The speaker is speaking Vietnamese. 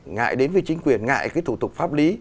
ngại đến với chính quyền ngại cái thủ tục pháp lý